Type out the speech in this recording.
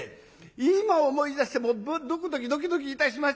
今思い出してもドキドキドキドキいたしましてね。